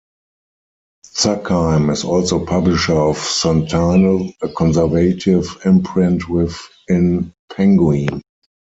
Zackheim is also publisher of Sentinel, a conservative imprint within Penguin.